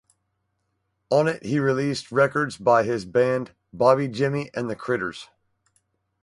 On it he released records by his band Bobby Jimmy and the Critters.